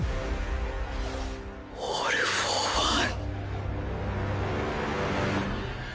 オール・フォー・ワン！